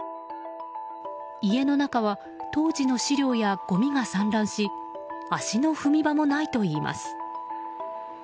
家の中は当時の資料や、ごみが散乱し足の踏み場もないといいます。